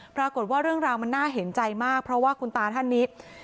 ปรากฏว่าเรื่องราวมันน่าเห็นใจมากเพราะว่าคุณตาท่านนี้